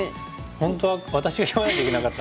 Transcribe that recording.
本当は私が言わなきゃいけなかった。